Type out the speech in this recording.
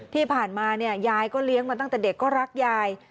ที่ผ่านมายายก็เลี้ยงมาตั้งแต่เด็กก็รักยาย